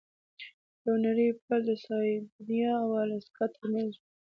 یو نری پل د سایبریا او الاسکا ترمنځ و.